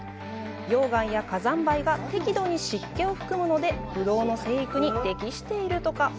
溶岩や火山灰が適度に湿気を含むのでブドウの生育に適しているとか。